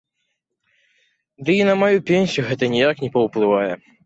Ды і на маю пенсію гэта ніяк не паўплывае.